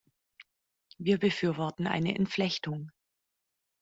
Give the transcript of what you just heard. Wir befürworten eine Entflechtung.